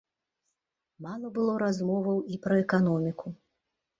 Мала было размоваў і пра эканоміку.